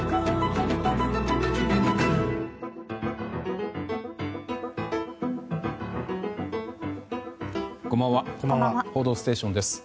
「報道ステーション」です。